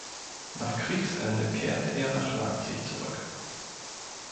Nach Kriegsende kehrte er nach Leipzig zurück.